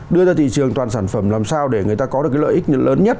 đưa ra thị trường toàn sản phẩm làm sao để người ta có được cái lợi ích lớn nhất